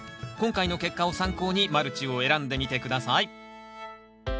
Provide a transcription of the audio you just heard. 今回の結果を参考にマルチを選んでみて下さい。